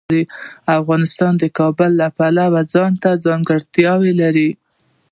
افغانستان د کابل د پلوه ځانته ځانګړتیا لري.